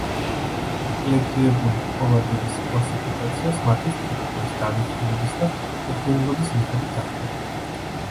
ლეგირებული ფოლადების კლასიფიკაციას მათი სტრუქტურის, დანიშნულების და შედგენილობის მიხედვით ახდენენ.